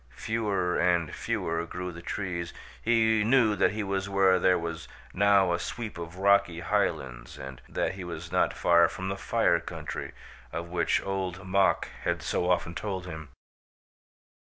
Fewer and fewer grew the trees. He knew that he was where there was now a sweep of rocky highlands and that he was not far from the Fire Country, of which Old Mok had so often told him.